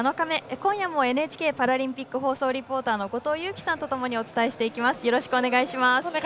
今夜もＮＨＫパラリンピック放送リポーターの後藤佑季さんとともにお伝えしていきます。